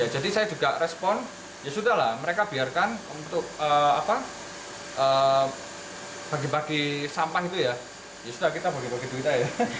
jadi saya juga respon ya sudah lah mereka biarkan bagi bagi sampah itu ya ya sudah kita bagi bagi duit aja ya